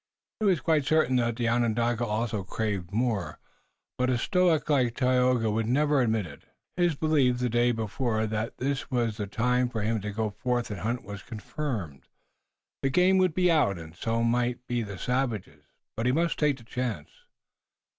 He was quite certain that the Onondaga also craved more, but a stoic like Tayoga would never admit it. His belief the day before that this was the time for him to go forth and hunt was confirmed. The game would be out, and so might be the savages, but he must take the chance.